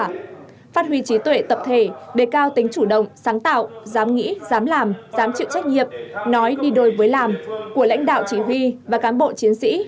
phát huy trí tuệ tập thể đề cao tính chủ động sáng tạo dám nghĩ dám làm dám chịu trách nhiệm nói đi đôi với làm của lãnh đạo chỉ huy và cán bộ chiến sĩ